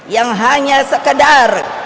yang hanya sekedar